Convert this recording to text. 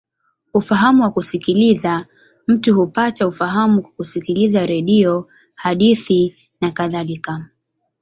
Ufahamu wa kusikiliza: mtu hupata ufahamu kwa kusikiliza redio, hadithi, nakadhalika.